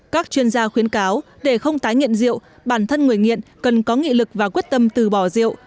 các chuyên gia khuyến cáo để không tái nghiện rượu bản thân người nghiện cần có nghị lực và quyết tâm từ bỏ rượu